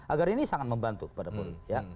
agar ini sangat membantu kepada poli ya